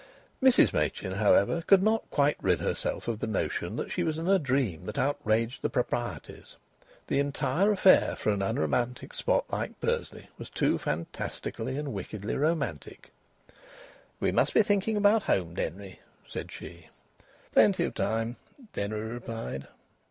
Mrs Machin, however, could not quite rid herself of the notion that she was in a dream that outraged the proprieties. The entire affair, for an unromantic spot like Bursley, was too fantastically and wickedly romantic. "We must be thinking about home, Denry," said she. "Plenty of time," Denry replied.